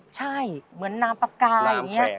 ใช่เหมือนนามปากกาอย่างนี้